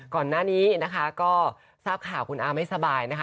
ก่อนหน้านี้นะคะก็ทราบข่าวคุณอาไม่สบายนะคะ